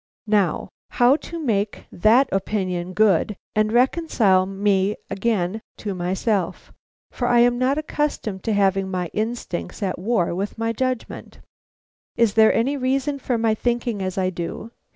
Now, how to make that opinion good, and reconcile me again to myself; for I am not accustomed to have my instincts at war with my judgment. Is there any reason for my thinking as I do?